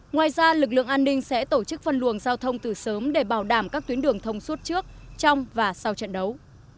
ngoài ra lực lượng an ninh sẽ tổ chức phân luồng giao thông từ sớm để bảo đảm các tuyến đường thông suốt trước trong và sau trận đấu